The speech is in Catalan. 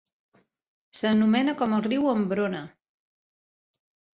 S'anomena com el riu Ombrone.